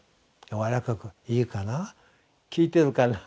やわらかく「いいかな？聞いているかな？